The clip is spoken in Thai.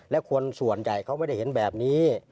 และคนส่วนใหญ่เขาไม่ได้เห็นแบบนี้